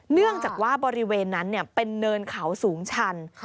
เนื่องจากว่าบริเวณนั้นเป็นเนินเขาสูงชัน